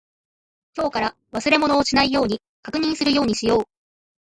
今日から忘れ物をしないように確認するようにしよう。